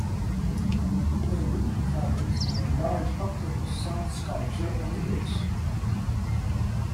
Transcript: A woman travels by a large octopus sand sculpture on the beach.